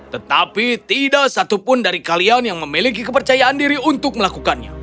tetapi tidak satupun dari kalian yang memiliki kepercayaan diri untuk melakukannya